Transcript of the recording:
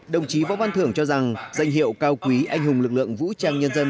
đồng chí võ văn thưởng cho rằng danh hiệu cao quý anh hùng lực lượng vũ trang nhân dân